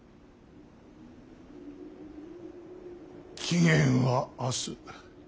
期限は明日。